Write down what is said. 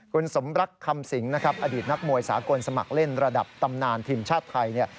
คุณสมรักคำสิงนะครับอดีตนักมวยสากลสมัครเล่นระดับตำนานทีมชาติไทยเนี่ย